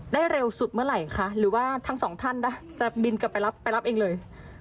ได้เร็วสุดเมื่อไหร่ค่ะหรือว่าทั้งสองท่านล่ะจะบินไปรับเองเลย